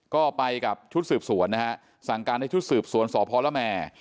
ก็ไปกับชุดสืบสวนนะฮะสั่งการให้ชุดสืบสวนสพละแมร์